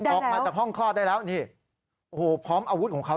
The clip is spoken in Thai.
ออกมาจากห้องคลอดได้แล้วพร้อมอาวุธของเขา